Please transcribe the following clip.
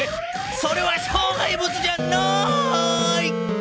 それはしょう害物じゃない！